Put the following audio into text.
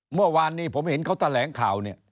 เมื่อวานนี้ผมเห็นเขาแถลงข่าวเนี่ย